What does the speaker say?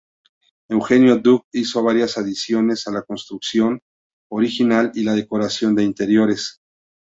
Eugenio Dock, hizo varias adiciones a la construcción original y la decoración de interiores.